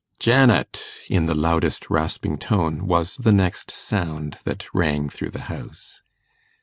'Janet!' in the loudest rasping tone, was the next sound that rang through the house.